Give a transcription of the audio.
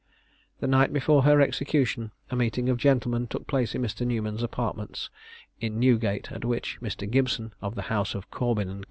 The night before her execution a meeting of gentlemen took place in Mr. Newman's apartments in Newgate, at which Mr. Gibson, of the house of Corbyn and Co.